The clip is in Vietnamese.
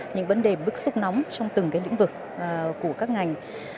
những vấn đề bức xúc nóng trong từng lĩnh vực của các ngành